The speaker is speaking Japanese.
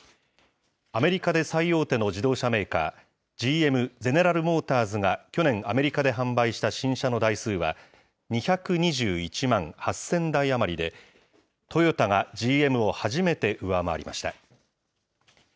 アメリカで最大手の自動車メーカー、ＧＭ・ゼネラル・モーターズが、去年アメリカで販売した新車の台数は、２２１万８０００台余りで、トヨタがＧＭを初めて上回りました。